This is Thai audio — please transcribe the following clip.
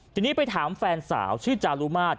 ทีนี้ไปถามแฟนสาวชื่อจารุมาตร